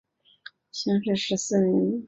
乡试十四名。